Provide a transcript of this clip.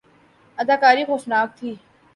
اداکاری خوفناک تھی